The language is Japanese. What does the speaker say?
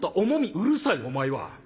「うるさいお前は。